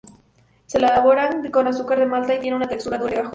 Se elaboran con azúcar de malta y tienen una textura dura y pegajosa.